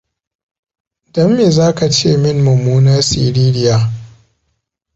Don me za ka ce min mummuna siririya?